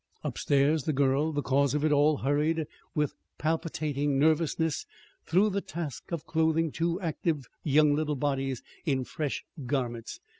Upstairs, the girl, the cause of it all, hurried with palpitating nervousness through the task of clothing two active little bodies in fresh garments.